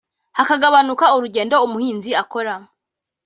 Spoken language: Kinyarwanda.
hakagabanuka urugendo umuhinzi akora